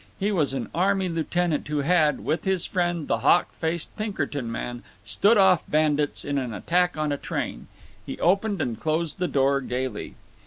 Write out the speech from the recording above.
He was an army lieutenant who had, with his friend the hawk faced Pinkerton man, stood off bandits in an attack on a train. He opened and closed the door gaily.